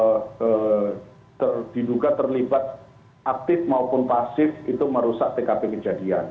nah ini orang orang yang ada di tkp dan itu diduga terlibat aktif maupun pasif itu merusak tkp kejadian